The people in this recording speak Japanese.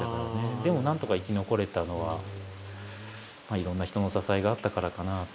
でもなんとか生き残れたのはいろんな人の支えがあったからかなと。